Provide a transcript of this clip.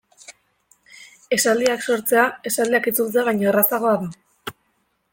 Esaldiak sortzea esaldiak itzultzea baino errazagoa da.